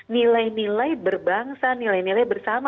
nilai nilai berbangsa nilai nilai bersama